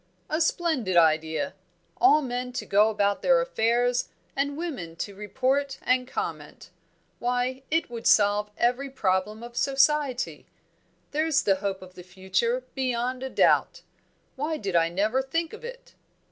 "A splendid idea! All men to go about their affairs and women to report and comment. Why, it would solve every problem of society! There's the hope of the future, beyond a doubt! Why did I never think of it!"